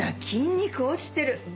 筋肉落ちてる！